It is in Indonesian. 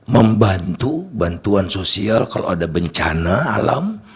membantu bantuan sosial kalau ada bencana alam